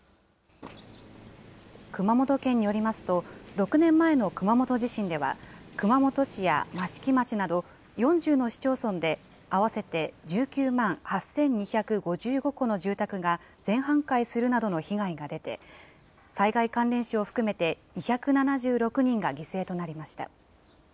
熊本県によりますと、６年前の熊本地震では、熊本市や益城町など、４０の市町村で、合わせて１９万８２５５戸の住宅が全半壊するなどの被害が出て、災害関連死を含めて２７６人が犠牲となりました。